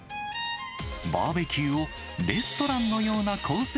バーベキューをレストランのようなコース